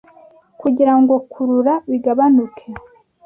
kugira ngo kurura bigabanuke